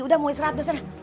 udah mau israt dah sana